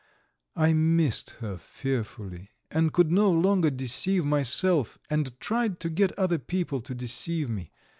I missed her fearfully, and could no longer deceive myself, and tried to get other people to deceive me.